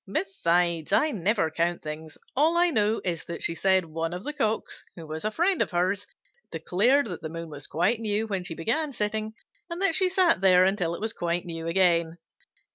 "Besides, I never count things. All I know is that she said one of the Cocks, who was a friend of hers, declared that the moon was quite new when she began sitting, and that she sat there until it was quite new again.